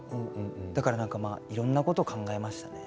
だからいろいろなことを考えましたね。